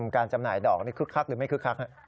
การจำหน่ายดอกนี่คึกคักหรือไม่คึกคัก